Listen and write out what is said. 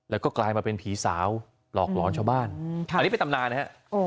แล้วก็กลายมาเป็นผีสาวหลอกหลอนชาวบ้านอันนี้เป็นตำนานนะฮะ